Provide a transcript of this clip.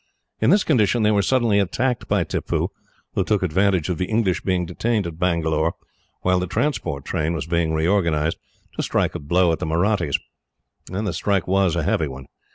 In this condition they were suddenly attacked by Tippoo, who took advantage of the English being detained at Bangalore, while the transport train was being reorganised, to strike a blow at the Mahrattis. The stroke was a heavy one.